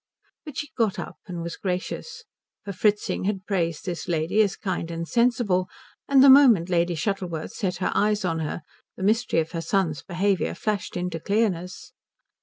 But she got up and was gracious, for Fritzing had praised this lady as kind and sensible; and the moment Lady Shuttleworth set her eyes on her the mystery of her son's behaviour flashed into clearness.